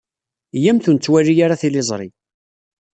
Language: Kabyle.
Iyyamt ur nettwali ara tiliẓri.